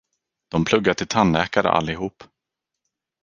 Dom pluggar till tandläkare, allihop.